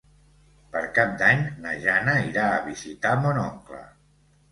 Per Cap d'Any na Jana irà a visitar mon oncle.